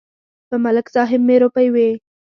په ملک صاحب مې روپۍ وې.